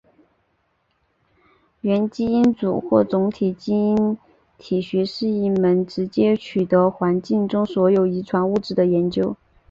元基因组或总体基因体学是一门直接取得环境中所有遗传物质的研究。